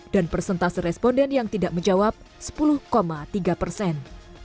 dan persentase responden yang tidak menjawab sepuluh tiga persen